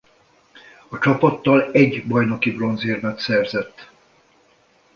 A csapattal egy bajnoki bronzérmet szerzett.